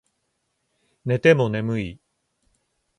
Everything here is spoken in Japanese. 寝ても眠い